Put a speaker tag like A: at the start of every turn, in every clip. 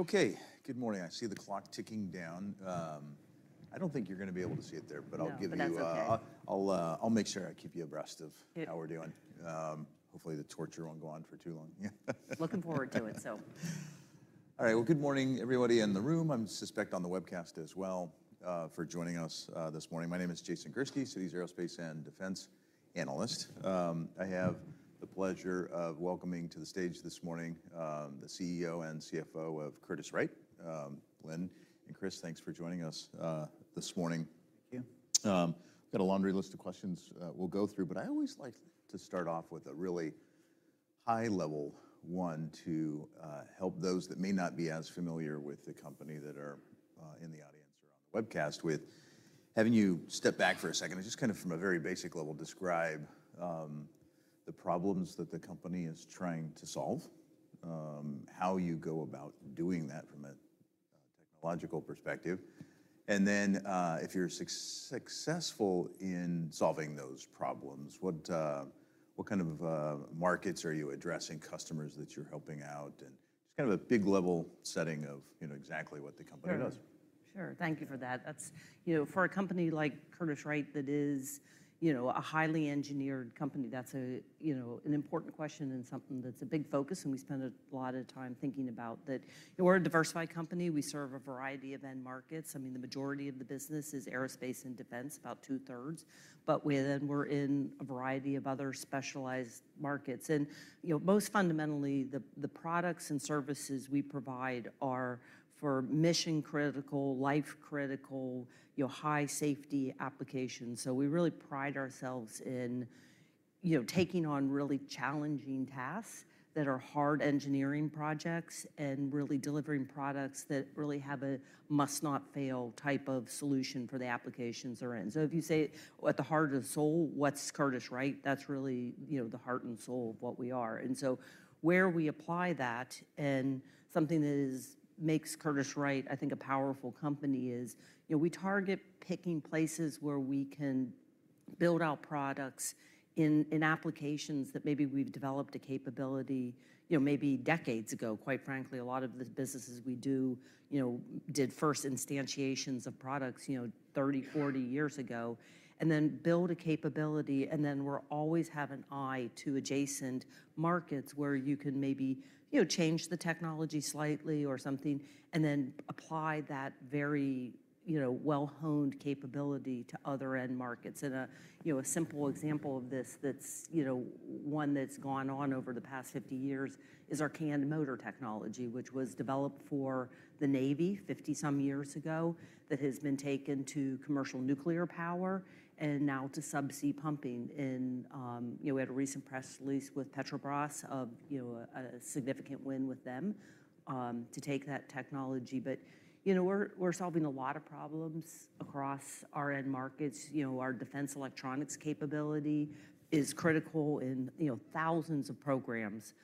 A: Okay, good morning. I see the clock ticking down. I don't think you're going to be able to see it there, but I'll make sure I keep you abreast of how we're doing. Hopefully the torture won't go on for too long.
B: Looking forward to it, so.
A: All right, well, good morning, everybody in the room. I suspect on the webcast as well for joining us this morning. My name is Jason Gursky, Citi Aerospace and Defense Analyst. I have the pleasure of welcoming to the stage this morning the CEO and CFO of Curtiss-Wright. Lynn and Chris, thanks for joining us this morning.
C: Thank you.
A: We've got a laundry list of questions, we'll go through, but I always like to start off with a really high-level one to help those that may not be as familiar with the company that are in the audience or on the webcast with. Having you step back for a second and just kind of from a very basic level describe the problems that the company is trying to solve, how you go about doing that from a technological perspective. And then, if you're successful in solving those problems, what kind of markets are you addressing, customers that you're helping out, and just kind of a big-level setting of, you know, exactly what the company does.
B: Sure. Thank you for that. That's, you know, for a company like Curtiss-Wright that is, you know, a highly engineered company. That's a, you know, an important question and something that's a big focus, and we spend a lot of time thinking about that. You know, we're a diversified company. We serve a variety of end markets. I mean, the majority of the business is aerospace and defense, about two-thirds. But within, we're in a variety of other specialized markets. And, you know, most fundamentally, the products and services we provide are for mission-critical, life-critical, you know, high-safety applications. So we really pride ourselves in, you know, taking on really challenging tasks that are hard engineering projects and really delivering products that really have a must-not-fail type of solution for the applications they're in. So if you say at the heart of the soul, what's Curtiss-Wright, that's really, you know, the heart and soul of what we are. And so where we apply that and something that is makes Curtiss-Wright, I think, a powerful company is, you know, we target picking places where we can build out products in, in applications that maybe we've developed a capability, you know, maybe decades ago. Quite frankly, a lot of the businesses we do, you know, did first instantiations of products, you know, 30, 40 years ago and then build a capability and then we're always have an eye to adjacent markets where you can maybe, you know, change the technology slightly or something and then apply that very, you know, well-honed capability to other end markets. A, you know, a simple example of this that's, you know, one that's gone on over the past 50 years is our canned motor technology, which was developed for the Navy 50-some years ago that has been taken to commercial nuclear power and now to subsea pumping in, you know, we had a recent press release with Petrobras of, you know, a significant win with them, to take that technology. But, you know, we're solving a lot of problems across our end markets. You know, our Defense Electronics capability is critical in, you know, thousands of programs,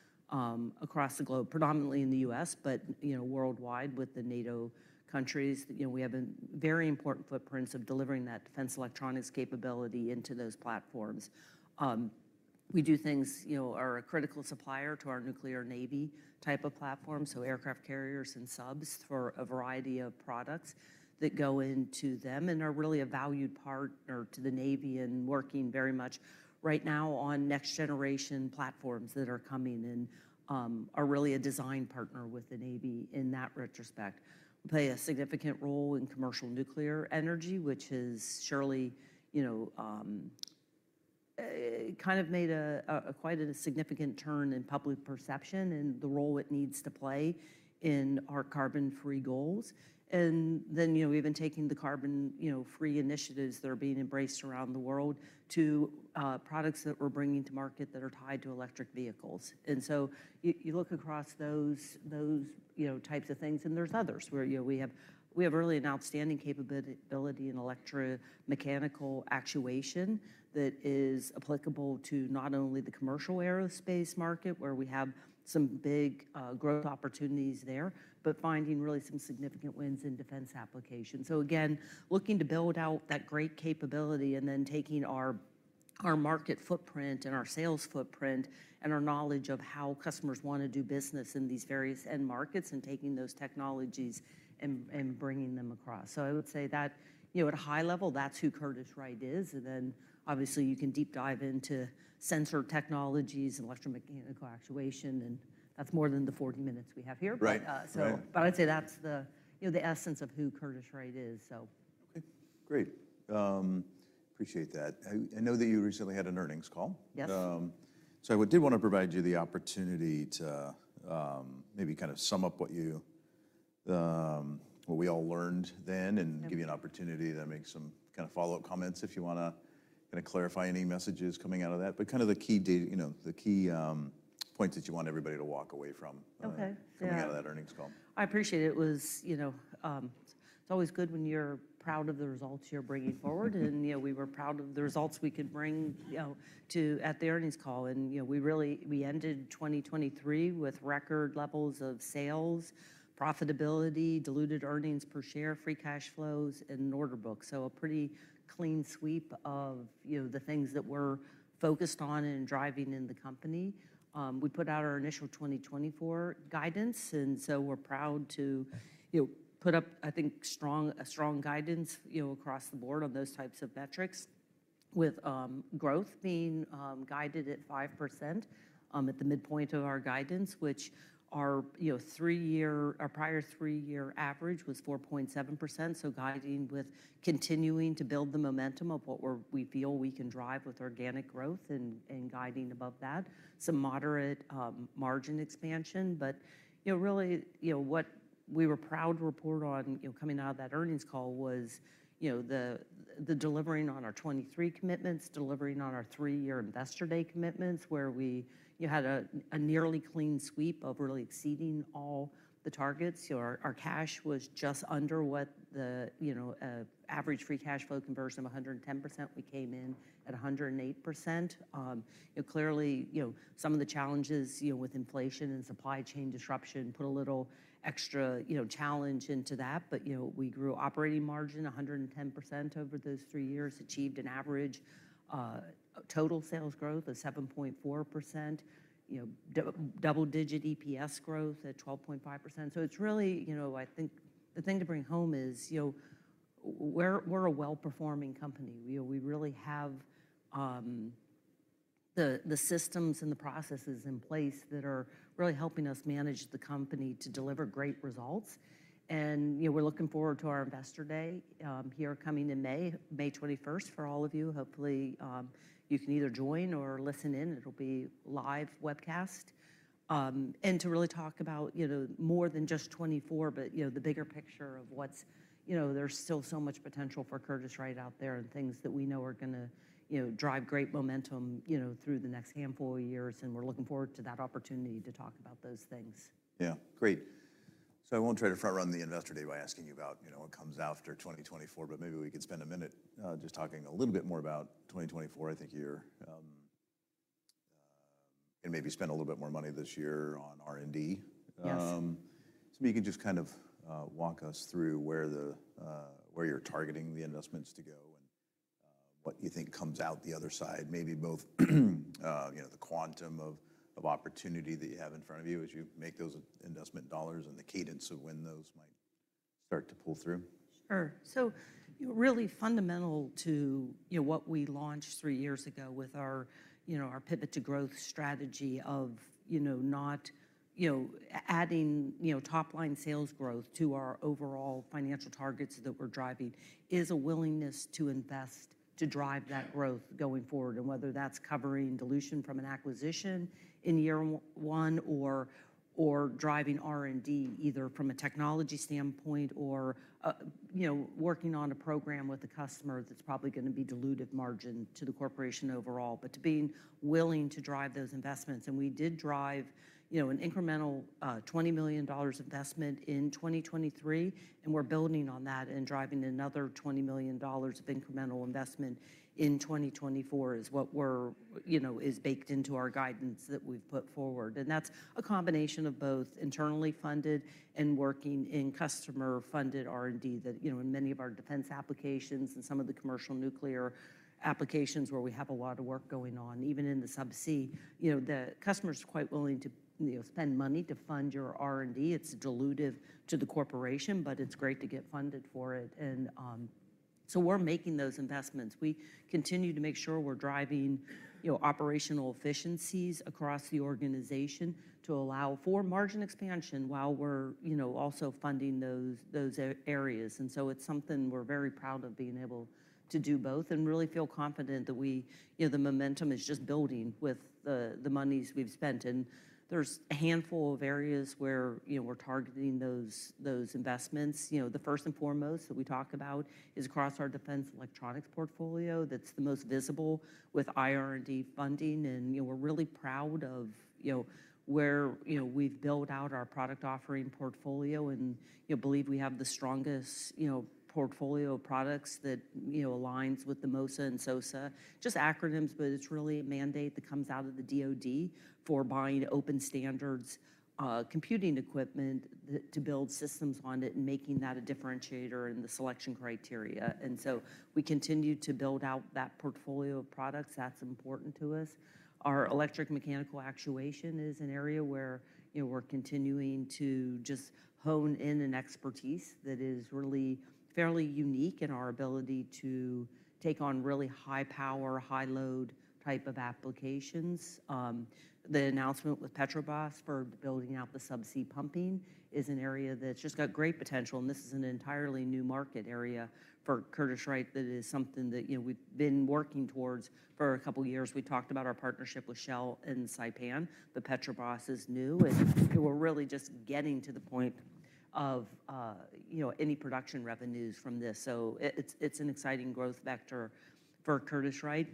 B: across the globe, predominantly in the U.S., but, you know, worldwide with the NATO countries. You know, we have a very important footprint of delivering that Defense Electronics capability into those platforms. We do things, you know, are a critical supplier to our nuclear Navy type of platform, so aircraft carriers and subs for a variety of products that go into them and are really a valued partner to the Navy in working very much right now on next-generation platforms that are coming and, are really a design partner with the Navy in that retrospect. We play a significant role in commercial nuclear energy, which has surely, you know, kind of made a, a quite a significant turn in public perception and the role it needs to play in our carbon-free goals. And then, you know, we've been taking the carbon, you know, free initiatives that are being embraced around the world to, products that we're bringing to market that are tied to electric vehicles. And so you look across those, you know, types of things and there's others where, you know, we have really an outstanding capability in electromechanical actuation that is applicable to not only the commercial aerospace market where we have some big growth opportunities there, but finding really some significant wins in defense applications. So again, looking to build out that great capability and then taking our market footprint and our sales footprint and our knowledge of how customers want to do business in these various end markets and taking those technologies and bringing them across. So I would say that, you know, at a high level, that's who Curtiss-Wright is. And then obviously you can deep dive into sensor technologies and electromechanical actuation and that's more than the 40 minutes we have here.
A: Right.
B: So, but I'd say that's the, you know, the essence of who Curtiss-Wright is, so.
A: Okay. Great. appreciate that. I know that you recently had an earnings call.
B: Yes.
A: I did want to provide you the opportunity to, maybe kind of sum up what you, what we all learned then and give you an opportunity to make some kind of follow-up comments if you want to kind of clarify any messages coming out of that. But kind of the key data, you know, the key points that you want everybody to walk away from, coming out of that earnings call.
B: Okay. Yeah. I appreciate it. It was, you know, it's always good when you're proud of the results you're bringing forward and, you know, we were proud of the results we could bring, you know, to at the earnings call. And, you know, we really, we ended 2023 with record levels of sales, profitability, diluted earnings per share, free cash flows, and order books. So a pretty clean sweep of, you know, the things that we're focused on and driving in the company. We put out our initial 2024 guidance and so we're proud to, you know, put up, I think, strong, a strong guidance, you know, across the board on those types of metrics with, growth being, guided at 5%, at the midpoint of our guidance, which our, you know, three-year, our prior three-year average was 4.7%. So guiding with continuing to build the momentum of what we feel we can drive with organic growth and guiding above that, some moderate, margin expansion. But, you know, really, you know, what we were proud to report on, you know, coming out of that earnings call was, you know, the delivering on our 2023 commitments, delivering on our three-year investor day commitments where we, you know, had a nearly clean sweep of really exceeding all the targets. You know, our cash was just under what the, you know, average free cash flow conversion of 110%. We came in at 108%. You know, clearly, you know, some of the challenges, you know, with inflation and supply chain disruption put a little extra, you know, challenge into that. But, you know, we grew operating margin 110% over those three years, achieved an average total sales growth of 7.4%, you know, double-digit EPS growth at 12.5%. So it's really, you know, I think the thing to bring home is, you know, we're, we're a well-performing company. You know, we really have the systems and the processes in place that are really helping us manage the company to deliver great results. And, you know, we're looking forward to our investor day here coming in May, May 21st for all of you. Hopefully, you can either join or listen in. It'll be live webcast, and to really talk about, you know, more than just 2024, but, you know, the bigger picture of what's, you know, there's still so much potential for Curtiss-Wright out there and things that we know are going to, you know, drive great momentum, you know, through the next handful of years. And we're looking forward to that opportunity to talk about those things.
A: Yeah. Great. So I won't try to front-run the investor day by asking you about, you know, what comes after 2024, but maybe we could spend a minute, just talking a little bit more about 2024. I think you're, and maybe spend a little bit more money this year on R&D. So maybe you could just kind of walk us through where the, where you're targeting the investments to go and what you think comes out the other side. Maybe both, you know, the quantum of, of opportunity that you have in front of you as you make those investment dollars and the cadence of when those might start to pull through.
B: Sure. So, you know, really fundamental to, you know, what we launched three years ago with our, you know, our pivot to growth strategy of, you know, not, you know, adding, you know, top-line sales growth to our overall financial targets that we're driving is a willingness to invest to drive that growth going forward. And whether that's covering dilution from an acquisition in year one or, or driving R&D either from a technology standpoint or, you know, working on a program with a customer that's probably going to be diluted margin to the corporation overall, but to being willing to drive those investments. And we did drive, you know, an incremental $20 million investment in 2023 and we're building on that and driving another $20 million of incremental investment in 2024 is what we're, you know, is baked into our guidance that we've put forward. And that's a combination of both internally funded and working in customer-funded R&D that, you know, in many of our defense applications and some of the commercial nuclear applications where we have a lot of work going on, even in the subsea, you know, the customer's quite willing to, you know, spend money to fund your R&D. It's diluted to the corporation, but it's great to get funded for it. And, so we're making those investments. We continue to make sure we're driving, you know, operational efficiencies across the organization to allow for margin expansion while we're, you know, also funding those, those areas. And so it's something we're very proud of being able to do both and really feel confident that we, you know, the momentum is just building with the, the monies we've spent. And there's a handful of areas where, you know, we're targeting those, those investments. You know, the first and foremost that we talk about is across our Defense Electronics portfolio that's the most visible with IR&D funding. And, you know, we're really proud of, you know, where, you know, we've built out our product offering portfolio and, you know, believe we have the strongest, you know, portfolio of products that, you know, aligns with the MOSA and SOSA. Just acronyms, but it's really a mandate that comes out of the DoD for buying open standards, computing equipment to build systems on it and making that a differentiator in the selection criteria. And so we continue to build out that portfolio of products. That's important to us. Our electricmechanical actuation is an area where, you know, we're continuing to just hone in an expertise that is really fairly unique in our ability to take on really high-power, high-load type of applications. The announcement with Petrobras for building out the subsea pumping is an area that's just got great potential. This is an entirely new market area for Curtiss-Wright that is something that, you know, we've been working towards for a couple of years. We talked about our partnership with Shell and Saipem. But Petrobras is new and we're really just getting to the point of, you know, any production revenues from this. So it's an exciting growth vector for Curtiss-Wright.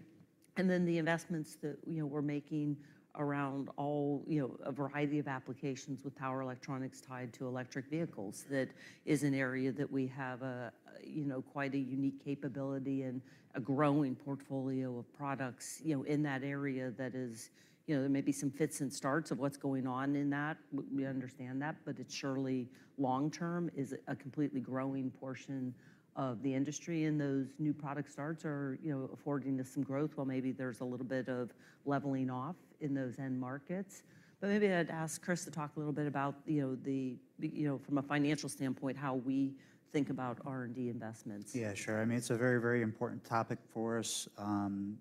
B: And then the investments that, you know, we're making around all, you know, a variety of applications with power electronics tied to electric vehicles that is an area that we have a, you know, quite a unique capability and a growing portfolio of products, you know, in that area that is, you know, there may be some fits and starts of what's going on in that. We understand that, but it's surely long-term, is a completely growing portion of the industry. And those new product starts are, you know, affording us some growth while maybe there's a little bit of leveling off in those end markets. But maybe I'd ask Chris to talk a little bit about, you know, the, you know, from a financial standpoint, how we think about R&D investments.
C: Yeah. Sure. I mean, it's a very, very important topic for us.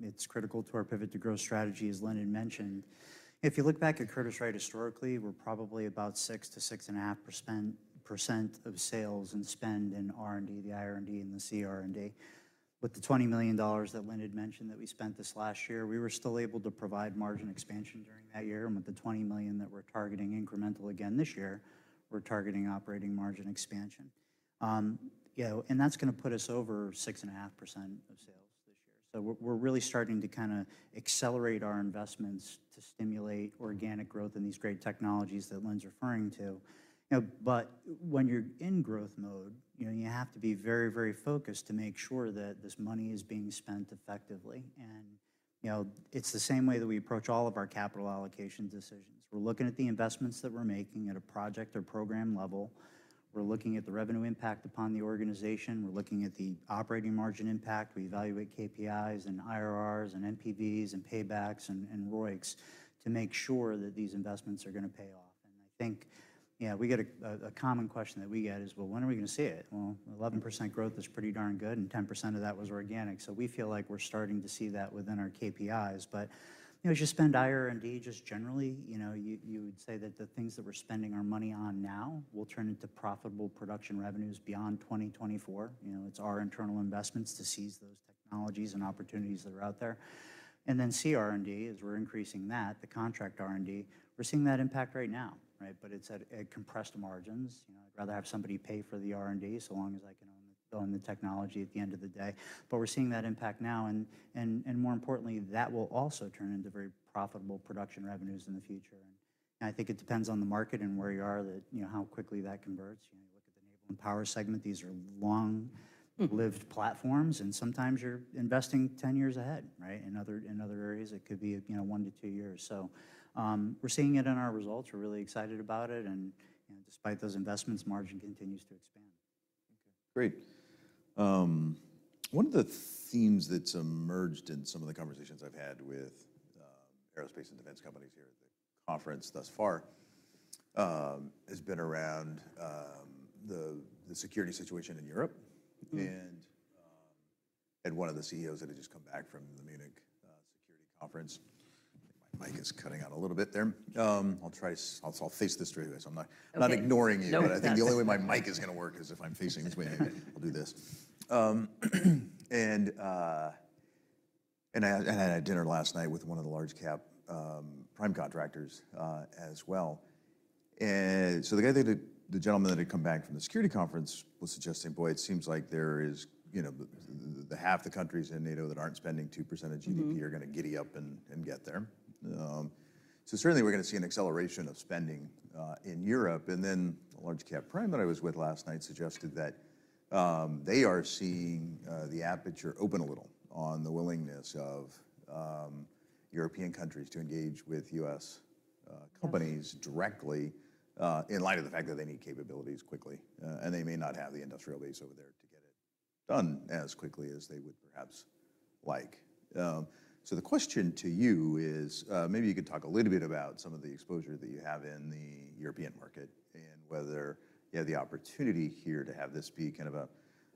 C: It's critical to our pivot to growth strategy, as Lynn had mentioned. If you look back at Curtiss-Wright historically, we're probably about 6%-6.5% of sales and spend in R&D, the IR&D and the CR&D. With the $20 million that Lynn had mentioned that we spent this last year, we were still able to provide margin expansion during that year. And with the $20 million that we're targeting incremental again this year, we're targeting operating margin expansion. You know, and that's going to put us over 6.5% of sales this year. So we're really starting to kind of accelerate our investments to stimulate organic growth in these great technologies that Lynn's referring to. You know, but when you're in growth mode, you know, you have to be very, very focused to make sure that this money is being spent effectively. You know, it's the same way that we approach all of our capital allocation decisions. We're looking at the investments that we're making at a project or program level. We're looking at the revenue impact upon the organization. We're looking at the operating margin impact. We evaluate KPIs and IRRs and NPVs and paybacks and ROICs to make sure that these investments are going to pay off. I think, yeah, we get a common question that we get is, well, when are we going to see it? Well, 11% growth is pretty darn good and 10% of that was organic. We feel like we're starting to see that within our KPIs. But, you know, as you spend IR&D just generally, you know, you would say that the things that we're spending our money on now will turn into profitable production revenues beyond 2024. You know, it's our internal investments to seize those technologies and opportunities that are out there. And then CR&D, as we're increasing that, the contract R&D, we're seeing that impact right now, right? But it's at compressed margins. You know, I'd rather have somebody pay for the R&D so long as I can own the technology at the end of the day. But we're seeing that impact now. And more importantly, that will also turn into very profitable production revenues in the future. And I think it depends on the market and where you are that, you know, how quickly that converts. You know, you look at the Naval and Power segment. These are long-lived platforms. Sometimes you're investing 10 years ahead, right? In other, in other areas, it could be, you know, one to two years. We're seeing it in our results. We're really excited about it. You know, despite those investments, margin continues to expand.
A: Okay. Great. One of the themes that's emerged in some of the conversations I've had with aerospace and defense companies here at the conference thus far has been around the security situation in Europe. And I had one of the CEOs that had just come back from the Munich Security Conference. I think my mic is cutting out a little bit there. I'll try to face this straight away. So I'm not ignoring you. But I think the only way my mic is going to work is if I'm facing this way. I'll do this. And I had dinner last night with one of the large cap prime contractors, as well. So the guy that had, the gentleman that had come back from the security conference was suggesting, boy, it seems like there is, you know, the half the countries in NATO that aren't spending 2% of GDP are going to giddy up and get there. So certainly we're going to see an acceleration of spending in Europe. And then a large cap prime that I was with last night suggested that they are seeing the aperture open a little on the willingness of European countries to engage with U.S. companies directly, in light of the fact that they need capabilities quickly. And they may not have the industrial base over there to get it done as quickly as they would perhaps like. The question to you is, maybe you could talk a little bit about some of the exposure that you have in the European market and whether you have the opportunity here to have this be kind of a,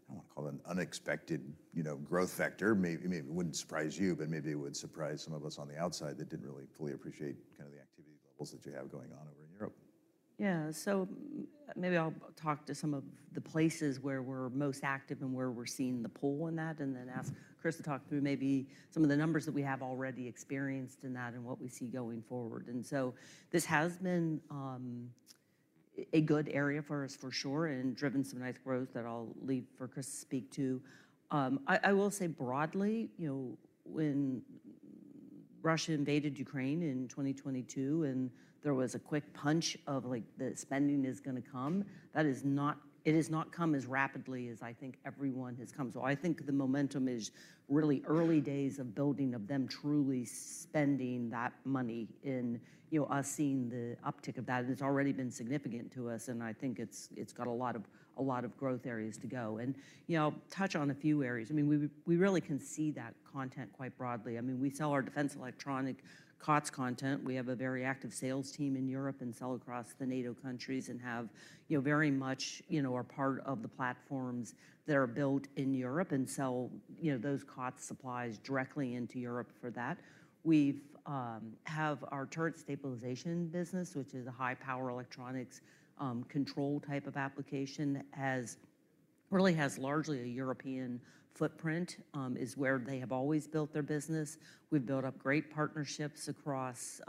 A: I don't want to call it an unexpected, you know, growth vector. Maybe, maybe it wouldn't surprise you, but maybe it would surprise some of us on the outside that didn't really fully appreciate kind of the activity levels that you have going on over in Europe.
B: Yeah. So maybe I'll talk to some of the places where we're most active and where we're seeing the pull in that and then ask Chris to talk through maybe some of the numbers that we have already experienced in that and what we see going forward. And so this has been a good area for us for sure and driven some nice growth that I'll leave for Chris to speak to. I will say broadly, you know, when Russia invaded Ukraine in 2022 and there was a quick punch of like the spending is going to come, that is not, it has not come as rapidly as I think everyone has come. So I think the momentum is really early days of building of them truly spending that money in, you know, us seeing the uptick of that. And it's already been significant to us. I think it's got a lot of growth areas to go. You know, I'll touch on a few areas. I mean, we really can see that content quite broadly. I mean, we sell our defense electronic COTS content. We have a very active sales team in Europe and sell across the NATO countries and have, you know, very much, you know, are part of the platforms that are built in Europe and sell, you know, those COTS supplies directly into Europe for that. We have our turret stabilization business, which is a high-power electronics, control type of application, has really largely a European footprint, is where they have always built their business. We've built up great partnerships across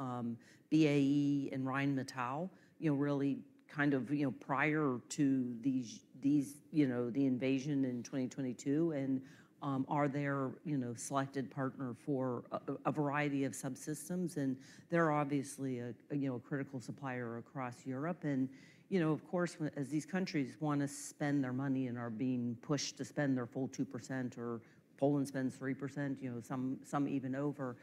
B: BAE and Rheinmetall, you know, really kind of, you know, prior to these, you know, the invasion in 2022 and are their, you know, selected partner for a variety of subsystems. And they're obviously a, you know, a critical supplier across Europe. And, you know, of course, as these countries want to spend their money and are being pushed to spend their full 2% or Poland spends 3%, you know, some even over,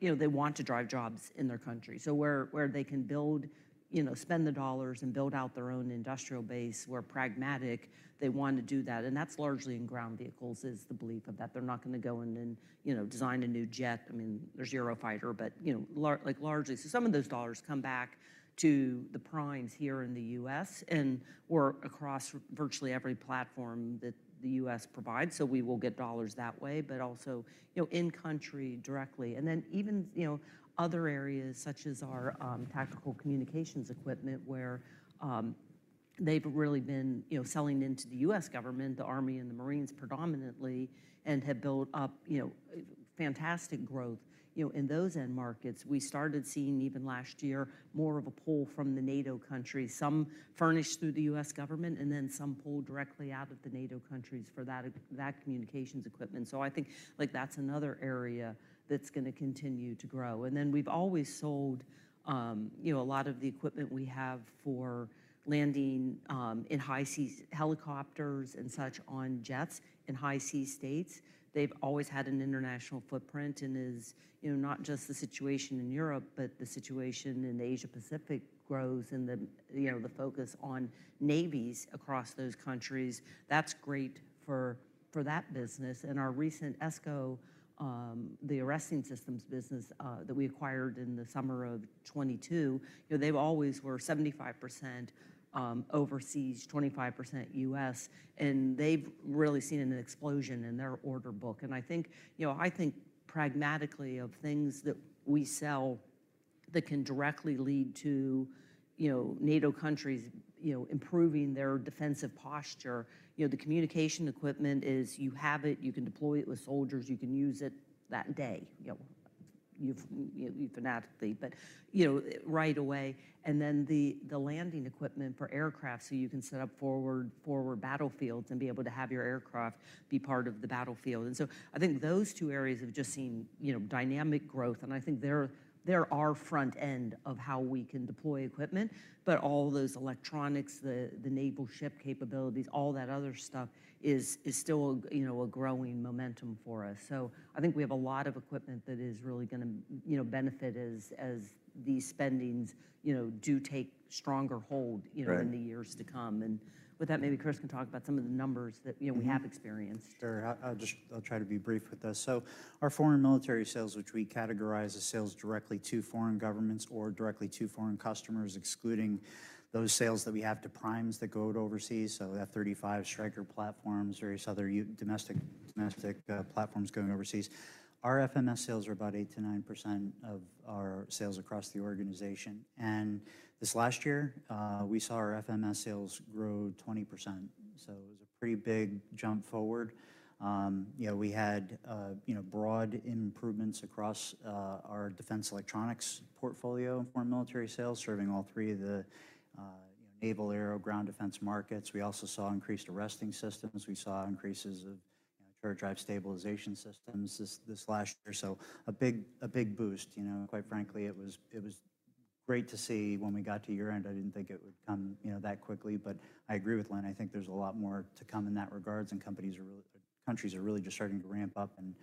B: you know, they want to drive jobs in their country. So where they can build, you know, spend the dollars and build out their own industrial base, we're pragmatic. They want to do that. And that's largely in ground vehicles is the belief of that. They're not going to go in and, you know, design a new jet. I mean, there's Eurofighter, but, you know, like largely. So some of those dollars come back to the primes here in the U.S. and we're across virtually every platform that the U.S. provides. So we will get dollars that way, but also, you know, in-country directly. And then even, you know, other areas such as our tactical communications equipment where they've really been, you know, selling into the U.S. government, the Army and the Marines predominantly, and have built up, you know, fantastic growth, you know, in those end markets. We started seeing even last year more of a pull from the NATO countries, some furnished through the U.S. government, and then some pulled directly out of the NATO countries for that, that communications equipment. So I think like that's another area that's going to continue to grow. And then we've always sold, you know, a lot of the equipment we have for landing, in high seas, helicopters and such on jets in high sea states. They've always had an international footprint and is, you know, not just the situation in Europe, but the situation in the Asia-Pacific grows and the, you know, the focus on navies across those countries. That's great for, for that business. And our recent ESCO, the arresting systems business, that we acquired in the summer of 2022, you know, they've always were 75% overseas, 25% U.S. And they've really seen an explosion in their order book. I think, you know, I think pragmatically of things that we sell that can directly lead to, you know, NATO countries, you know, improving their defensive posture, you know. The communication equipment is you have it, you can deploy it with soldiers, you can use it that day, you know, right away. And then the landing equipment for aircraft so you can set up forward battlefields and be able to have your aircraft be part of the battlefield. And so I think those two areas have just seen, you know, dynamic growth. And I think they're our front end of how we can deploy equipment. But all those electronics, the naval ship capabilities, all that other stuff is still a, you know, a growing momentum for us. So I think we have a lot of equipment that is really going to, you know, benefit as, as these spendings, you know, do take stronger hold, you know, in the years to come. With that, maybe Chris can talk about some of the numbers that, you know, we have experienced.
C: Sure. I'll just, I'll try to be brief with this. So our Foreign Military Sales, which we categorize as sales directly to foreign governments or directly to foreign customers, excluding those sales that we have to primes that go overseas. So we have 35 Stryker platforms, various other domestic, domestic platforms going overseas. Our FMS sales are about 8%-9% of our sales across the organization. And this last year, we saw our FMS sales grow 20%. So it was a pretty big jump forward. You know, we had, you know, broad improvements across, our Defense Electronics portfolio and Foreign Military Sales serving all three of the, you know, naval, aero ground defense markets. We also saw increased arresting systems. We saw increases of, you know, turret drive stabilization systems this, this last year. So a big, a big boost, you know. Quite frankly, it was great to see when we got to year-end. I didn't think it would come, you know, that quickly. But I agree with Lynn. I think there's a lot more to come in that regard and companies are really, countries are really just starting to ramp up in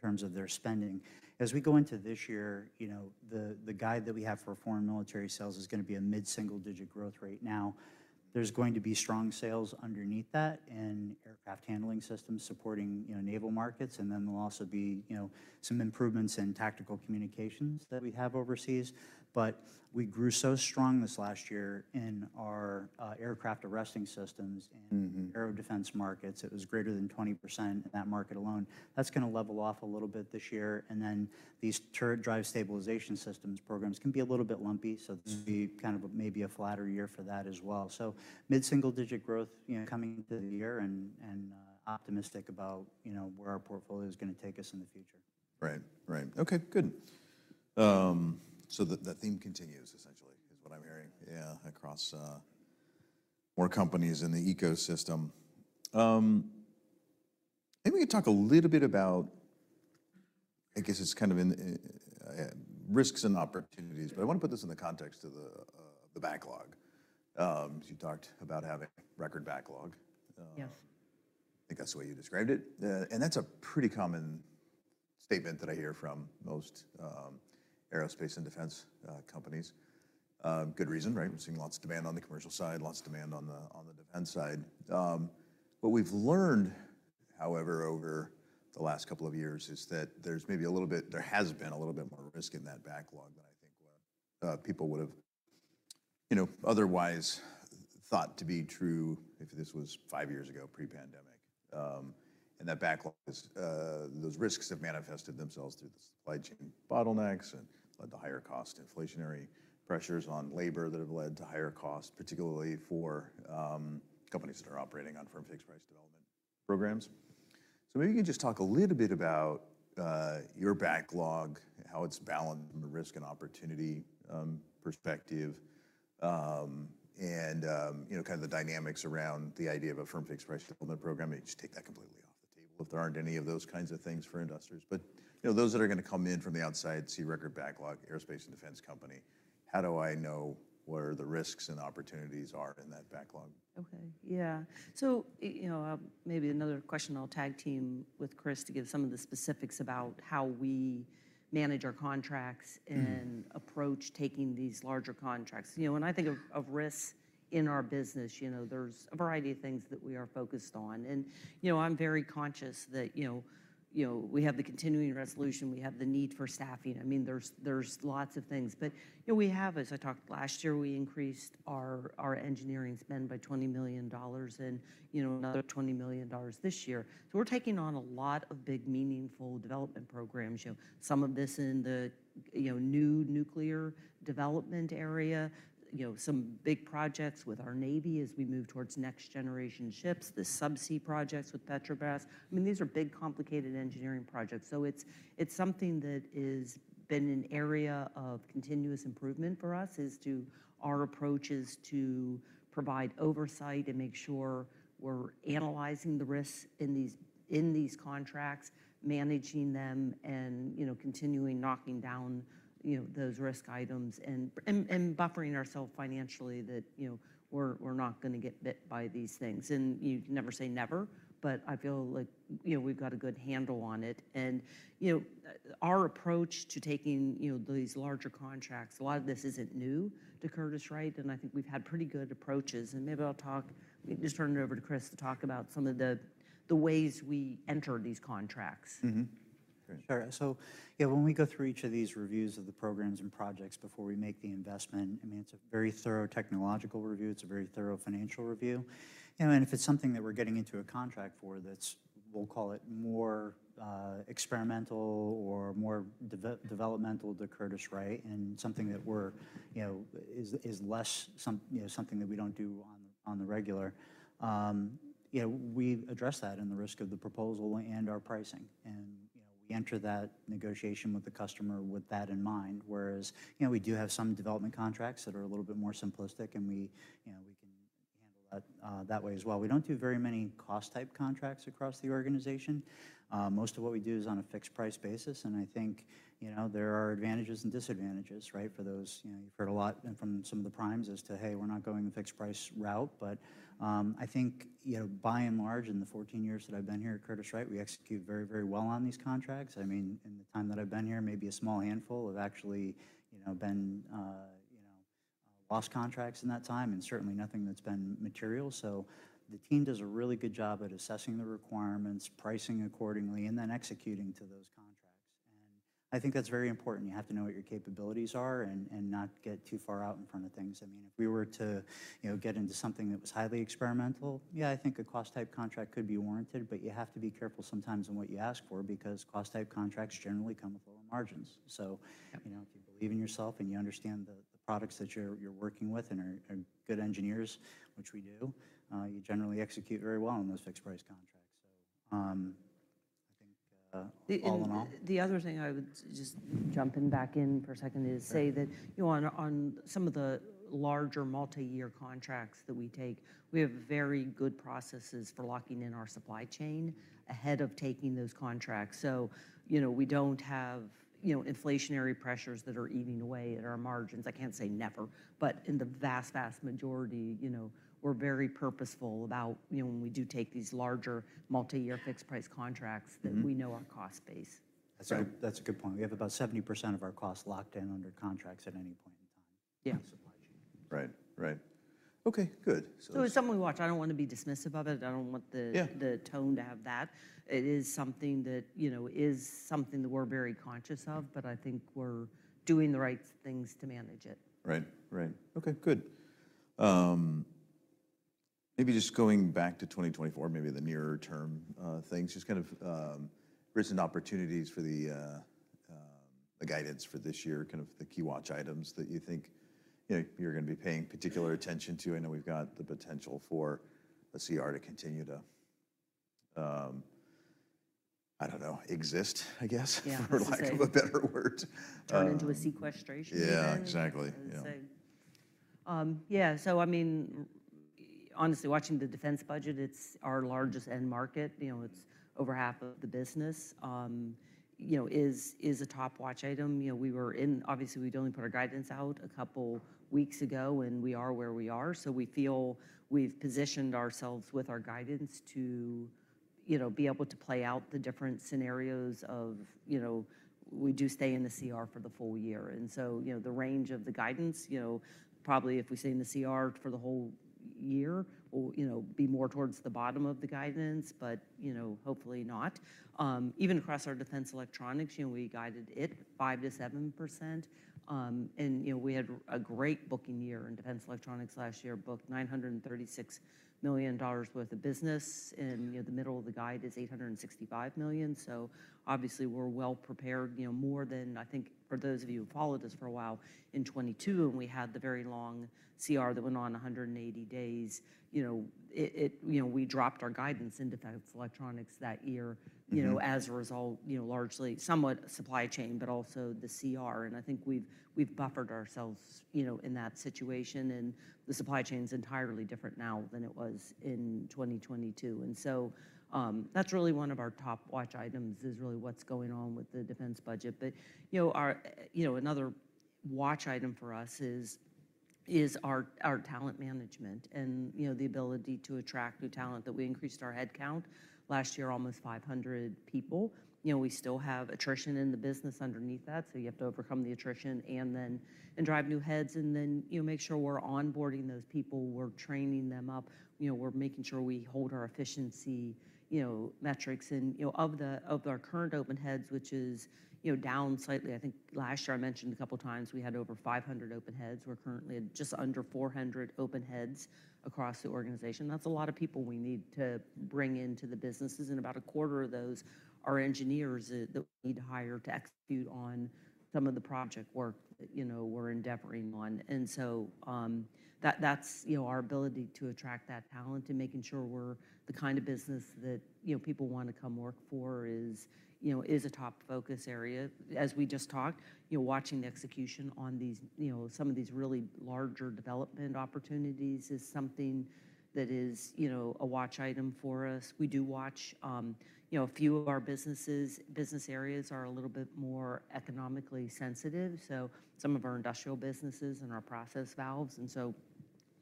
C: terms of their spending. As we go into this year, you know, the guide that we have for Foreign Military Sales is going to be a mid-single-digit growth rate now. There's going to be strong sales underneath that in aircraft handling systems supporting, you know, naval markets. And then there'll also be, you know, some improvements in tactical communications that we have overseas. But we grew so strong this last year in our aircraft arresting systems and aero defense markets. It was greater than 20% in that market alone. That's going to level off a little bit this year. And then these turret drive stabilization systems programs can be a little bit lumpy. So this will be kind of maybe a flatter year for that as well. So mid-single digit growth, you know, coming into the year and, and optimistic about, you know, where our portfolio is going to take us in the future.
A: Right. Right. Okay. Good. So that, that theme continues essentially is what I'm hearing. Yeah. Across more companies in the ecosystem. Maybe we could talk a little bit about, I guess it's kind of in risks and opportunities, but I want to put this in the context of the, the backlog. You talked about having record backlog.
B: Yes.
A: I think that's the way you described it. That's a pretty common statement that I hear from most aerospace and defense companies. Good reason, right? We're seeing lots of demand on the commercial side, lots of demand on the defense side. What we've learned, however, over the last couple of years is that there's maybe a little bit, there has been a little bit more risk in that backlog than I think what people would have, you know, otherwise thought to be true if this was five years ago, pre-pandemic. That backlog is, those risks have manifested themselves through the supply chain bottlenecks and led to higher cost inflationary pressures on labor that have led to higher costs, particularly for companies that are operating on firm fixed price development programs. So maybe you could just talk a little bit about your backlog, how it's balanced from a risk and opportunity perspective. And you know, kind of the dynamics around the idea of a firm fixed price development program. You just take that completely off the table if there aren't any of those kinds of things for industries. But you know, those that are going to come in from the outside see record backlog, aerospace and defense company. How do I know what are the risks and opportunities are in that backlog?
B: Okay. Yeah. So, you know, maybe another question I'll tag team with Chris to give some of the specifics about how we manage our contracts and approach taking these larger contracts. You know, when I think of, of risks in our business, you know, there's a variety of things that we are focused on. And, you know, I'm very conscious that, you know, you know, we have the continuing resolution. We have the need for staffing. I mean, there's lots of things. But, you know, we have, as I talked last year, we increased our engineering spend by $20 million and, you know, another $20 million this year. So we're taking on a lot of big, meaningful development programs, you know, some of this in the, you know, new nuclear development area, you know, some big projects with our navy as we move towards next generation ships, the subsea projects with Petrobras. I mean, these are big, complicated engineering projects. So it's something that has been an area of continuous improvement for us is to, our approach is to provide oversight and make sure we're analyzing the risks in these, in these contracts, managing them and, you know, continuing knocking down, you know, those risk items and buffering ourselves financially that, you know, we're, we're not going to get bit by these things. And you can never say never, but I feel like, you know, we've got a good handle on it. You know, our approach to taking, you know, these larger contracts, a lot of this isn't new to Curtiss-Wright. I think we've had pretty good approaches. Maybe I'll talk, we can just turn it over to Chris to talk about some of the ways we enter these contracts.
C: Sure. So, yeah, when we go through each of these reviews of the programs and projects before we make the investment, I mean, it's a very thorough technological review. It's a very thorough financial review. You know, and if it's something that we're getting into a contract for that's, we'll call it more experimental or more developmental to Curtiss-Wright and something that we're, you know, is less, you know, something that we don't do on the regular, you know, we address that in the risk of the proposal and our pricing. And, you know, we enter that negotiation with the customer with that in mind. Whereas, you know, we do have some development contracts that are a little bit more simplistic and we, you know, we can handle that way as well. We don't do very many cost type contracts across the organization. Most of what we do is on a fixed price basis. I think, you know, there are advantages and disadvantages, right, for those, you know, you've heard a lot from some of the primes as to, hey, we're not going the fixed price route. But, I think, you know, by and large in the 14 years that I've been here at Curtiss-Wright, we execute very, very well on these contracts. I mean, in the time that I've been here, maybe a small handful have actually, you know, been, you know, lost contracts in that time and certainly nothing that's been material. So the team does a really good job at assessing the requirements, pricing accordingly, and then executing to those contracts. I think that's very important. You have to know what your capabilities are and, and not get too far out in front of things. I mean, if we were to, you know, get into something that was highly experimental, yeah, I think a cost type contract could be warranted, but you have to be careful sometimes in what you ask for because cost type contracts generally come with lower margins. So, you know, if you believe in yourself and you understand the products that you're working with and are good engineers, which we do, you generally execute very well on those fixed price contracts. So, I think, all in all.
B: The other thing I would just jumping back in for a second is say that, you know, on some of the larger multi-year contracts that we take, we have very good processes for locking in our supply chain ahead of taking those contracts. So, you know, we don't have, you know, inflationary pressures that are eating away at our margins. I can't say never, but in the vast, vast majority, you know, we're very purposeful about, you know, when we do take these larger multi-year fixed price contracts that we know our cost base.
C: That's a good, that's a good point. We have about 70% of our costs locked in under contracts at any point in time on the supply chain.
A: Right. Right. Okay. Good.
B: It's something we watch. I don't want to be dismissive of it. I don't want the tone to have that. It is something that, you know, is something that we're very conscious of, but I think we're doing the right things to manage it.
A: Right. Right. Okay. Good. Maybe just going back to 2024, maybe the nearer term, things just kind of, risks and opportunities for the, the guidance for this year, kind of the key watch items that you think, you know, you're going to be paying particular attention to. I know we've got the potential for a CR to continue to, I don't know, exist, I guess, for lack of a better word.
B: Turn into a sequestration.
A: Yeah. Exactly. Yeah.
B: Yeah. So, I mean, honestly, watching the defense budget, it's our largest end market. You know, it's over half of the business. You know, is a top watch item. You know, we were in, obviously, we'd only put our guidance out a couple weeks ago and we are where we are. So we feel we've positioned ourselves with our guidance to, you know, be able to play out the different scenarios of, you know, we do stay in the CR for the full year. And so, you know, the range of the guidance, you know, probably if we stay in the CR for the whole year, we'll, you know, be more towards the bottom of the guidance, but, you know, hopefully not. Even across our Defense Electronics, you know, we guided it 5%-7%. And, you know, we had a great booking year in Defense Electronics last year, booked $936 million worth of business. And, you know, the middle of the guide is $865 million. So obviously we're well prepared, you know, more than, I think, for those of you who followed us for a while in 2022 and we had the very long CR that went on 180 days, you know, it, you know, we dropped our guidance in Defense Electronics that year, you know, as a result, you know, largely somewhat supply chain, but also the CR. And I think we've buffered ourselves, you know, in that situation and the supply chain is entirely different now than it was in 2022. And so, that's really one of our top watch items is really what's going on with the defense budget. You know, our another watch item for us is our talent management and, you know, the ability to attract new talent. That we increased our headcount last year, almost 500 people. You know, we still have attrition in the business underneath that. So you have to overcome the attrition and then drive new heads and then, you know, make sure we're onboarding those people. We're training them up. You know, we're making sure we hold our efficiency metrics and of our current open heads, which is, you know, down slightly. I think last year I mentioned a couple of times we had over 500 open heads. We're currently just under 400 open heads across the organization. That's a lot of people we need to bring into the businesses. About a quarter of those are engineers that we need to hire to execute on some of the project work that, you know, we're endeavoring on. So that's, you know, our ability to attract that talent and making sure we're the kind of business that, you know, people want to come work for is, you know, a top focus area. As we just talked, you know, watching the execution on these, you know, some of these really larger development opportunities is something that is, you know, a watch item for us. We do watch, you know, a few of our businesses; business areas are a little bit more economically sensitive. So some of our industrial businesses and our process valves. So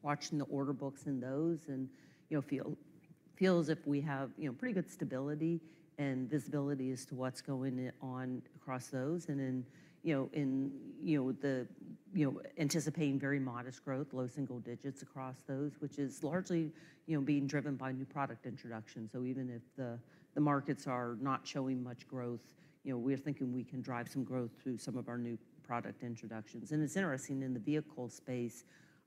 B: watching the order books in those, you know, we feel as if we have, you know, pretty good stability and visibility as to what's going on across those and, you know, anticipating very modest growth, low single digits across those, which is largely, you know, being driven by new product introductions. So even if the markets are not showing much growth, you know, we are thinking we can drive some growth through some of our new product introductions. And it's interesting in the vehicle space,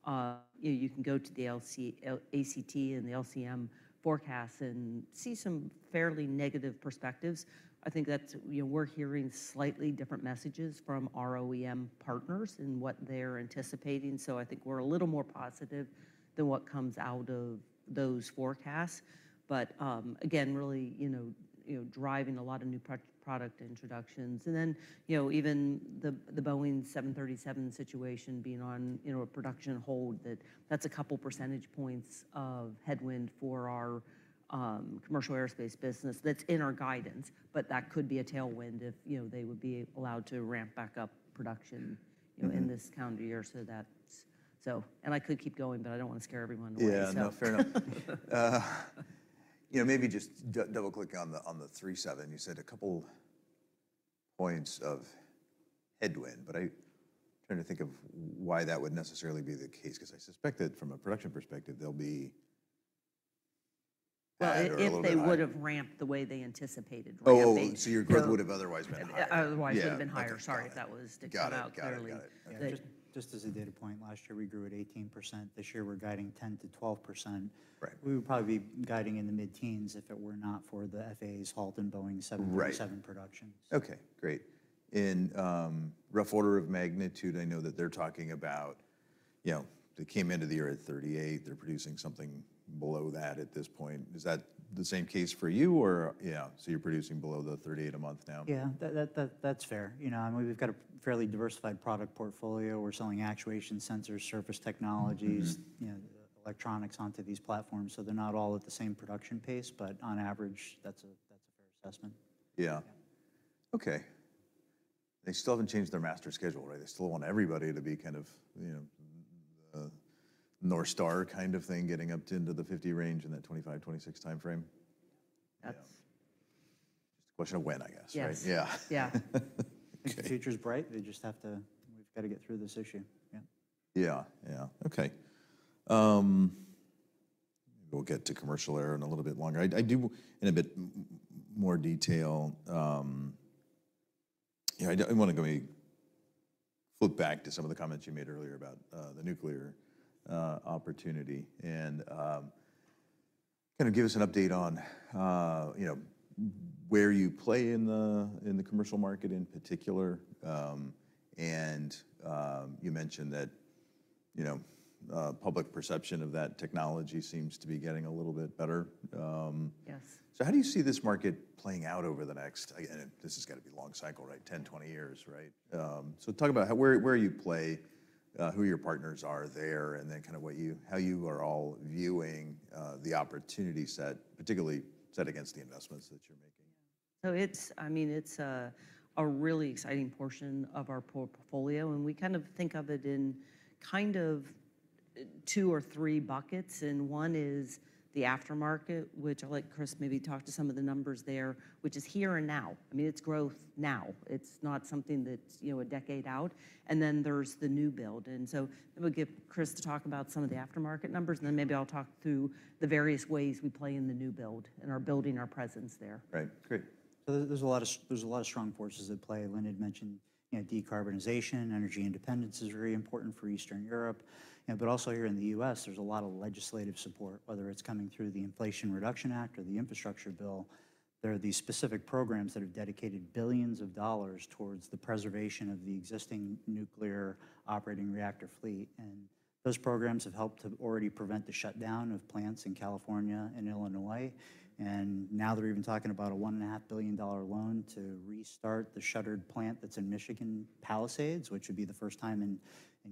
B: you know, you can go to the ACT and the LMC forecasts and see some fairly negative perspectives. I think that's, you know, we're hearing slightly different messages from OEM partners and what they're anticipating. So I think we're a little more positive than what comes out of those forecasts. But, again, really, you know, you know, driving a lot of new product introductions. And then, you know, even the Boeing 737 situation being on, you know, a production hold, that's a couple percentage points of headwind for our commercial aerospace business that's in our guidance. But that could be a tailwind if, you know, they would be allowed to ramp back up production, you know, in this calendar year. So that's, and I could keep going, but I don't want to scare everyone away.
A: Yeah. No, fair enough. You know, maybe just double click on the 37. You said a couple points of headwind, but I'm trying to think of why that would necessarily be the case because I suspect that from a production perspective, there'll be.
B: Well, if they would have ramped the way they anticipated.
A: Oh, so your growth would have otherwise been higher.
B: Otherwise would have been higher. Sorry if that was too cut out clearly.
C: Just as a data point, last year we grew at 18%. This year we're guiding 10%-12%. We would probably be guiding in the mid-teens if it were not for the FAA's halt in Boeing 737 production.
A: Okay. Great. In rough order of magnitude, I know that they're talking about, you know, they came into the year at 38. They're producing something below that at this point. Is that the same case for you or, yeah, so you're producing below the 38 a month now?
C: Yeah. That's fair. You know, I mean, we've got a fairly diversified product portfolio. We're selling actuation sensors, surface technologies, you know, electronics onto these platforms. So they're not all at the same production pace, but on average, that's a fair assessment.
A: Yeah. Okay. They still haven't changed their master schedule, right? They still want everybody to be kind of, you know, the North Star kind of thing getting up into the 50 range in that 2025, 2026 timeframe. Yeah. Just a question of when, I guess, right? Yeah.
B: Yeah.
C: If the future's bright, they just have to, we've got to get through this issue. Yeah.
A: Yeah. Yeah. Okay. Maybe we'll get to commercial air in a little bit longer. I do in a bit more detail, you know. I want to go maybe flip back to some of the comments you made earlier about the nuclear opportunity and kind of give us an update on, you know, where you play in the commercial market in particular. And you mentioned that, you know, public perception of that technology seems to be getting a little bit better.
B: Yes.
A: So how do you see this market playing out over the next, again, this has got to be a long cycle, right? 10, 20 years, right? So talk about where, where you play, who your partners are there and then kind of what you, how you are all viewing, the opportunity set, particularly set against the investments that you're making.
B: Yeah. So it's, I mean, it's a really exciting portion of our portfolio and we kind of think of it in kind of two or three buckets. And one is the aftermarket, which I'll let Chris maybe talk to some of the numbers there, which is here and now. I mean, it's growth now. It's not something that's, you know, a decade out. And then there's the new build. And so I'm going to give Chris to talk about some of the aftermarket numbers and then maybe I'll talk through the various ways we play in the new build and are building our presence there.
A: Right. Great.
C: So there's a lot of strong forces that play. Lynn had mentioned, you know, decarbonization, energy independence is very important for Eastern Europe. You know, but also here in the U.S., there's a lot of legislative support, whether it's coming through the Inflation Reduction Act or the Infrastructure Bill. There are these specific programs that have dedicated billions of dollars towards the preservation of the existing nuclear operating reactor fleet. And those programs have helped to already prevent the shutdown of plants in California and Illinois. And now they're even talking about a $1.5 billion loan to restart the shuttered plant that's in Michigan, Palisades, which would be the first time in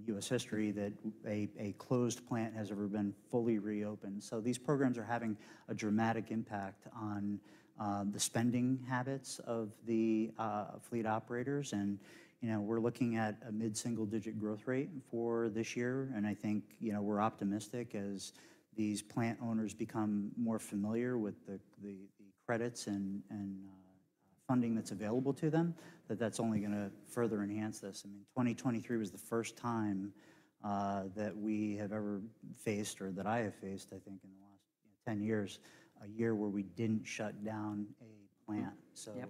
C: U.S. history that a closed plant has ever been fully reopened. So these programs are having a dramatic impact on the spending habits of the fleet operators. You know, we're looking at a mid-single-digit growth rate for this year. I think, you know, we're optimistic as these plant owners become more familiar with the credits and funding that's available to them, that that's only going to further enhance this. I mean, 2023 was the first time that we have ever faced or that I have faced, I think, in the last, you know, 10 years, a year where we didn't shut down a plant. So, you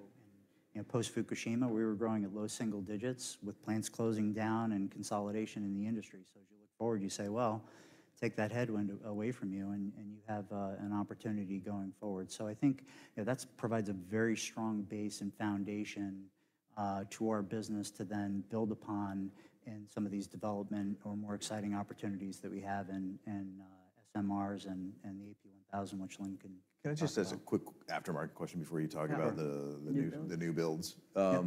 C: know, post-Fukushima, we were growing at low single digits with plants closing down and consolidation in the industry. So as you look forward, you say, well, take that headwind away from you and you have an opportunity going forward. So I think, you know, that provides a very strong base and foundation to our business to then build upon in some of these development or more exciting opportunities that we have in SMRs and the AP1000, which Lynn can talk about.
A: Can I just ask a quick aftermarket question before you talk about the new builds? So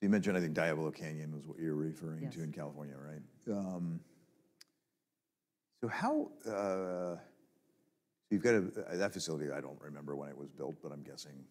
A: you mentioned, I think, Diablo Canyon was what you were referring to in California, right? So how, so you've got that facility, I don't remember when it was built, but I'm guessing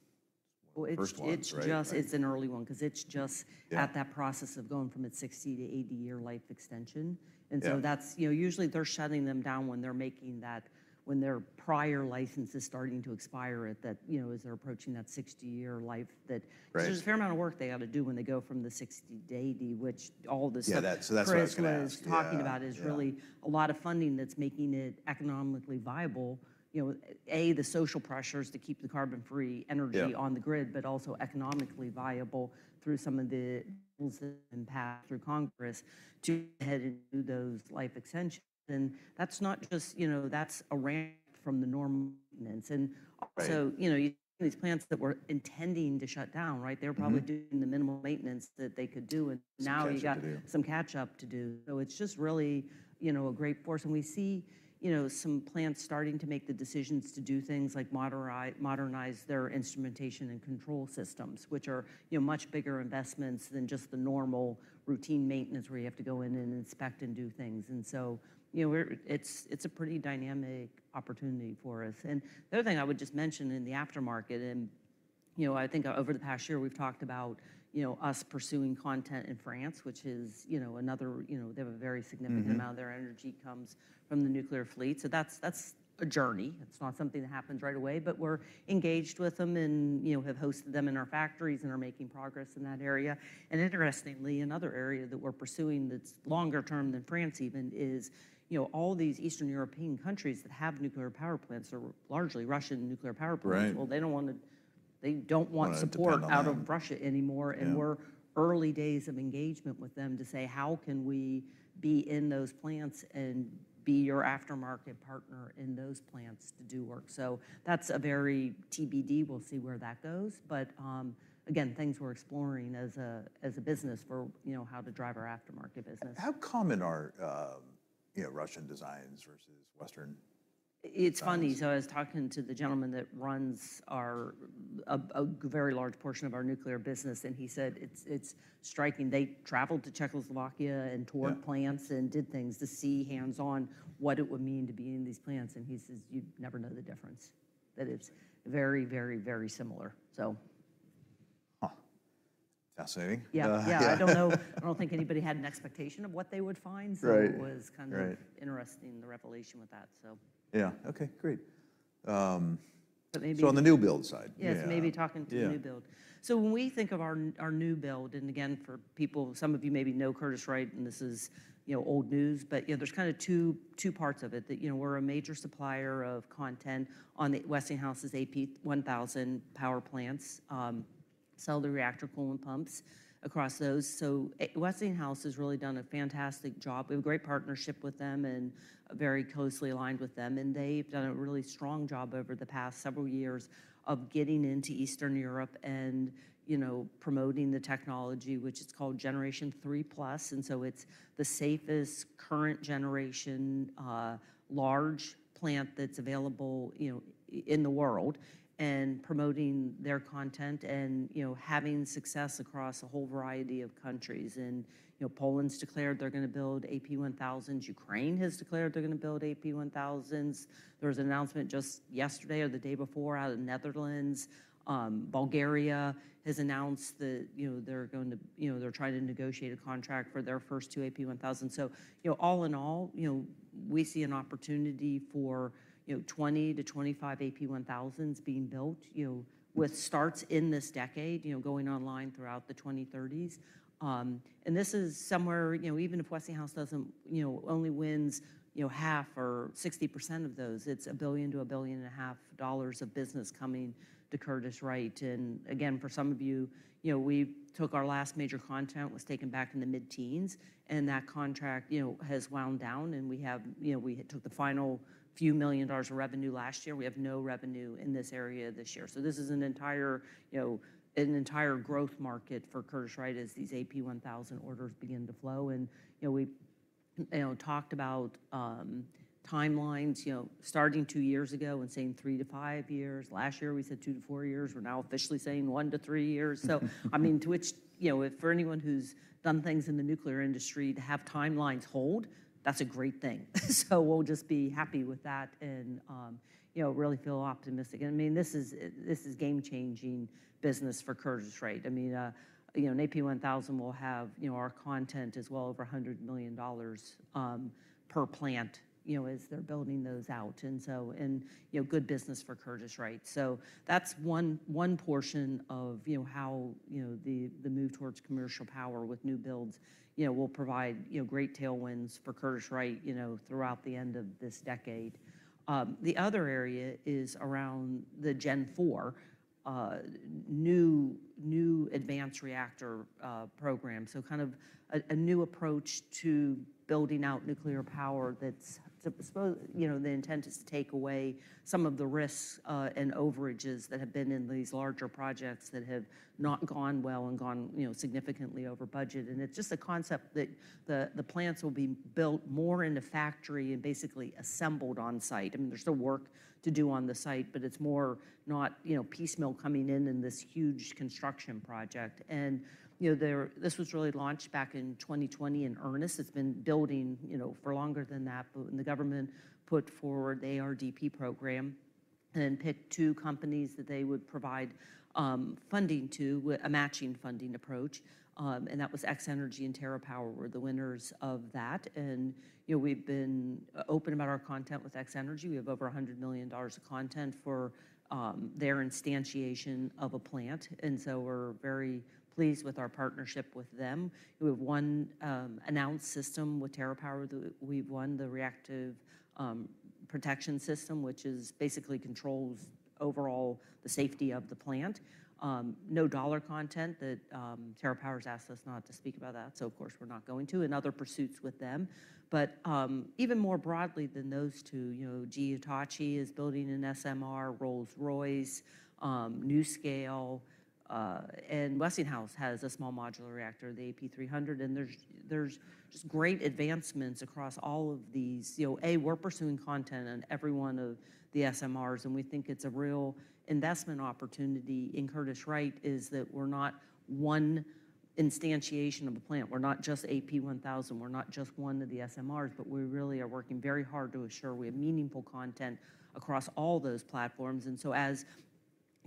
A: it's one of the first ones.
B: Well, it's just, it's an early one because it's just at that process of going from its 60- to 80-year life extension. And so that's, you know, usually they're shutting them down when they're making that, when their prior license is starting to expire at that, you know, as they're approaching that 60-year life that, so there's a fair amount of work they got to do when they go from the 60 to 80, which all the stuff Chris was talking about is really a lot of funding that's making it economically viable. You know, A, the social pressures to keep the carbon-free energy on the grid, but also economically viable through some of the bills that have been passed through Congress to head into those life extensions. And that's not just, you know, that's a ramp from the normal maintenance. And also, you know, these plants that were intending to shut down, right? They were probably doing the minimal maintenance that they could do. And now you've got some catch-up to do. So it's just really, you know, a great force. And we see, you know, some plants starting to make the decisions to do things like modernize their instrumentation and control systems, which are, you know, much bigger investments than just the normal routine maintenance where you have to go in and inspect and do things. And so, you know, we're, it's, it's a pretty dynamic opportunity for us. The other thing I would just mention in the aftermarket and, you know, I think over the past year we've talked about, you know, us pursuing content in France, which is, you know, another, you know, they have a very significant amount of their energy comes from the nuclear fleet. So that's a journey. It's not something that happens right away, but we're engaged with them and, you know, have hosted them in our factories and are making progress in that area. Interestingly, another area that we're pursuing that's longer term than France even is, you know, all these Eastern European countries that have nuclear power plants are largely Russian nuclear power plants. Well, they don't want support out of Russia anymore. And we're early days of engagement with them to say, how can we be in those plants and be your aftermarket partner in those plants to do work? So that's a very TBD. We'll see where that goes. But, again, things we're exploring as a business for, you know, how to drive our aftermarket business.
A: How common are, you know, Russian designs versus Western?
B: It's funny. So I was talking to the gentleman that runs our, a very large portion of our nuclear business and he said it's, it's striking. They traveled to Czech Republic and toured plants and did things to see hands-on what it would mean to be in these plants. And he says, you never know the difference. That it's very, very, very similar. So.
A: Huh. Fascinating.
B: Yeah. I don't know. I don't think anybody had an expectation of what they would find. So it was kind of interesting, the revelation with that. So.
A: Yeah. Okay. Great. So on the new build side.
B: Yes. Maybe talking to the new build. So when we think of our new build, and again, for people, some of you maybe know Curtiss-Wright and this is, you know, old news, but, you know, there's kind of two parts of it that, you know, we're a major supplier of content on the Westinghouse's AP1000 power plants, nuclear reactor coolant pumps across those. So Westinghouse has really done a fantastic job. We have a great partnership with them and very closely aligned with them. And they've done a really strong job over the past several years of getting into Eastern Europe and, you know, promoting the technology, which it's called Generation III+. And so it's the safest current generation, large plant that's available, you know, in the world and promoting their content and, you know, having success across a whole variety of countries. You know, Poland's declared they're going to build AP1000s. Ukraine has declared they're going to build AP1000s. There was an announcement just yesterday or the day before out of the Netherlands. Bulgaria has announced that, you know, they're going to, you know, they're trying to negotiate a contract for their first two AP1000s. So, you know, all in all, you know, we see an opportunity for, you know, 20-25 AP1000s being built, you know, with starts in this decade, you know, going online throughout the 2030s. And this is somewhere, you know, even if Westinghouse doesn't, you know, only wins, you know, half or 60% of those, it's $1 billion-$1.5 billion of business coming to Curtiss-Wright. And again, for some of you, you know, we took our last major content, was taken back in the mid-teens and that contract, you know, has wound down and we have, you know, we took the final $few million of revenue last year. We have no revenue in this area this year. So this is an entire, you know, an entire growth market for Curtiss-Wright as these AP1000 orders begin to flow. And, you know, we, you know, talked about timelines, you know, starting two years ago and saying three-five years. Last year we said two-four years. We're now officially saying one-three years. So, I mean, to which, you know, if for anyone who's done things in the nuclear industry to have timelines hold, that's a great thing. So we'll just be happy with that and, you know, really feel optimistic. I mean, this is game-changing business for Curtiss-Wright. I mean, you know, an AP1000 will have, you know, our content is well over $100 million per plant, you know, as they're building those out. And so, you know, good business for Curtiss-Wright. So that's one portion of, you know, how, you know, the move towards commercial power with new builds, you know, will provide, you know, great tailwinds for Curtiss-Wright, you know, throughout the end of this decade. The other area is around the Gen 4 new advanced reactor program. So kind of a new approach to building out nuclear power that's, you know, the intent is to take away some of the risks and overages that have been in these larger projects that have not gone well and gone, you know, significantly over budget. It's just a concept that the plants will be built more into factory and basically assembled on site. I mean, there's still work to do on the site, but it's more not, you know, piecemeal coming in in this huge construction project. You know, this was really launched back in 2020 in earnest. It's been building, you know, for longer than that, but when the government put forward the ARDP program and picked two companies that they would provide funding to, a matching funding approach. And that was X-energy and TerraPower were the winners of that. And, you know, we've been open about our content with X-energy. We have over $100 million of content for their instantiation of a plant. And so we're very pleased with our partnership with them. We've won, announced system with TerraPower. We've won the reactor protection system, which is basically controls overall the safety of the plant. No dollar content in that. TerraPower has asked us not to speak about that. So of course we're not going to and other pursuits with them. But even more broadly than those two, you know, GE Hitachi is building an SMR, Rolls-Royce, NuScale, and Westinghouse has a small modular reactor, the AP300. And there's just great advancements across all of these. You know, we're pursuing content on every one of the SMRs and we think it's a real investment opportunity in Curtiss-Wright in that we're not one instantiation of a plant. We're not just AP1000. We're not just one of the SMRs, but we really are working very hard to assure we have meaningful content across all those platforms. And so,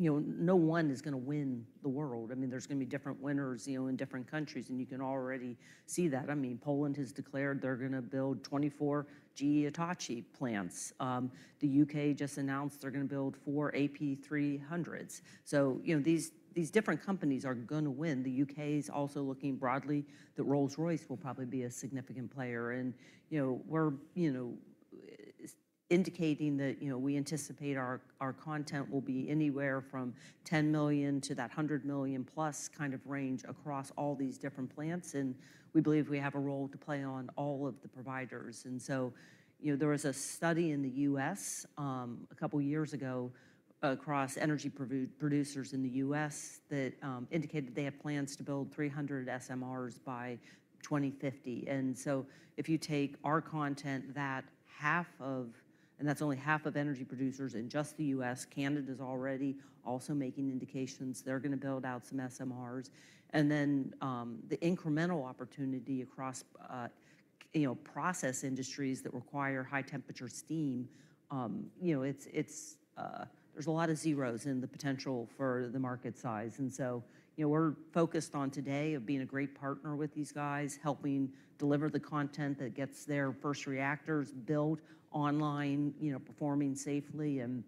B: as you know, no one is going to win the world. I mean, there's going to be different winners, you know, in different countries and you can already see that. I mean, Poland has declared they're going to build 24 GE Hitachi plants. The U.K. just announced they're going to build four AP300s. So, you know, these, these different companies are going to win. The U.K. is also looking broadly that Rolls-Royce will probably be a significant player. And, you know, we're, you know, indicating that, you know, we anticipate our, our content will be anywhere from $10 million to that $100 million+ kind of range across all these different plants. And we believe we have a role to play on all of the providers. And so, you know, there was a study in the U.S., a couple of years ago across energy producers in the U.S. that indicated they have plans to build 300 SMRs by 2050. And so if you take our content, that half of, and that's only half of energy producers in just the U.S., Canada is already also making indications they're going to build out some SMRs. And then, the incremental opportunity across, you know, process industries that require high temperature steam, you know, it's, it's, there's a lot of zeros in the potential for the market size. And so, you know, we're focused on today of being a great partner with these guys, helping deliver the content that gets their first reactors built online, you know, performing safely. And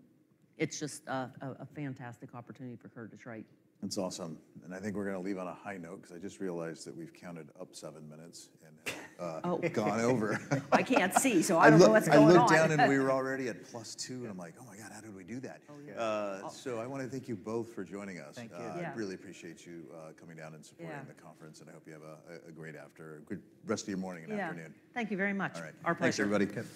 B: it's just a fantastic opportunity for Curtiss-Wright.
A: That's awesome. I think we're going to leave on a high note because I just realized that we've counted up seven minutes and gone over.
B: I can't see. I don't know what's going on.
A: I looked down and we were already at +2 and I'm like, oh my God, how did we do that? So I want to thank you both for joining us. I really appreciate you coming down and supporting the conference and I hope you have a good rest of your morning and afternoon.
B: Yeah. Thank you very much.
A: All right. Thanks, everybody.